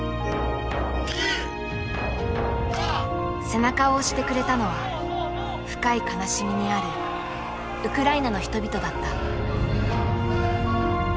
背中を押してくれたのは深い悲しみにあるウクライナの人々だった。